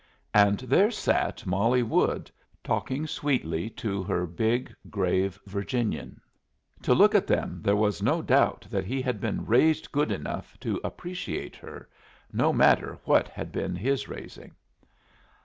And there sat Molly Wood talking sweetly to her big, grave Virginian; to look at them, there was no doubt that he had been "raised good enough" to appreciate her, no matter what had been his raising!